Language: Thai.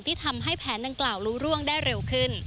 ที่ทำให้แผนดังกล่าวรู้ร่วงได้เร็วขึ้น